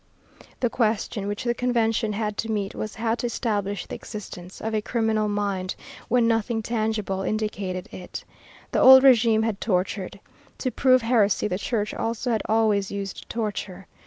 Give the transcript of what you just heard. The question which the Convention had to meet was how to establish the existence of a criminal mind, when nothing tangible indicated it. The old régime had tortured. To prove heresy the Church also had always used torture.